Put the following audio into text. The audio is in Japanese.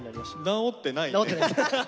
治ってないです。